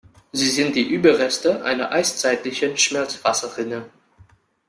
Sie sind die Überreste einer eiszeitlichen Schmelzwasserrinne.